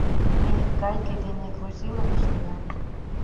Ме гайке дене грузилым ыштена...